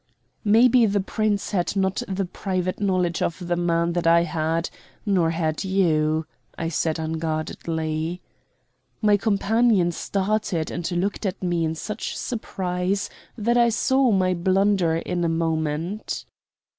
"Maybe the Prince had not the private knowledge of the man that I had, nor had you," I said unguardedly. My companion started and looked at me in such surprise that I saw my blunder in a moment.